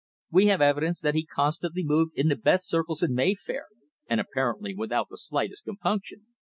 We have evidence that he constantly moved in the best circles in Mayfair, and apparently without the slightest compunction.